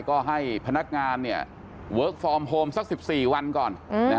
ก็ให้พนักงานเวิร์คฟอร์มโฮมสัก๑๔วันก่อน